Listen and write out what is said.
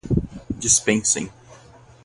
dispensem